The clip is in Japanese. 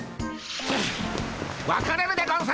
分かれるでゴンス！